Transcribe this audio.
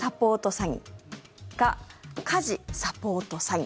詐欺か家事サポート詐欺。